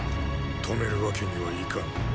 止めるわけにはいかぬ。